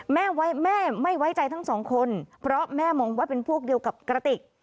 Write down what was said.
แม่ไม่ไว้ใจทั้งสองคนเพราะแม่มองว่าเป็นพวกเดียวกับกระติก